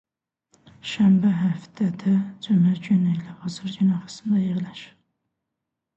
Şənbə həftədə cümə günü ilə bazar günü arasında yerləşir.